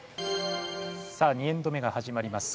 さあ２エンド目が始まります。